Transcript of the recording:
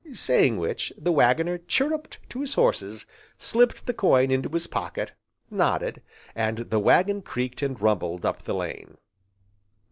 saying which, the Waggoner chirrupped to his horses, slipped the coin into his pocket, nodded, and the waggon creaked and rumbled up the lane.